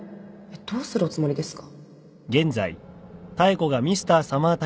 どうするおつもりですか？